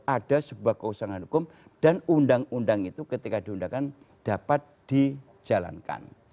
ada sebuah keusangan hukum dan undang undang itu ketika diundangkan dapat dijalankan